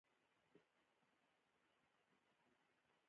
کله چې افغانستان کې ولسواکي وي افغانان سرلوړي وي.